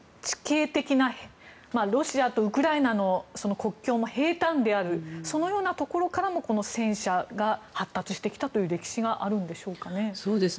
ロシアとウクライナの国境の兵站であるそのようなところからも戦車が発達してきた歴史があるんでしょうかね。